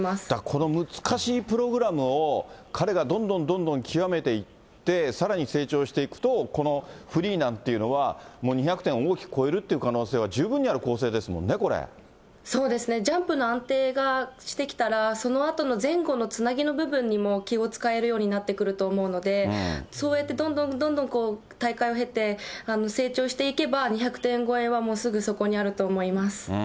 だからこの難しいプログラムを、彼がどんどんどんどん極めていって、さらに成長していくと、このフリーなんていうのは、もう２００点を大きく超えるという可能性は十分にある構成ですもそうですね、ジャンプの安定がしてきたら、そのあとの前後のつなぎの部分にも気を遣えるようになってくると思うので、そうやってどんどんどんどん大会を経て、成長していけば、２００点超えはもうすぐそこにあると思います。